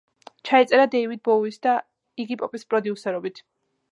ჩაიწერა დეივიდ ბოუის და იგი პოპის პროდიუსერობით.